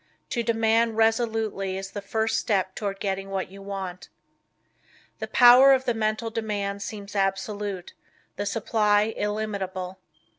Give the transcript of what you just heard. To demand resolutely is the first step toward getting what you want. The power of the Mental Demand seems absolute, the supply illimitable.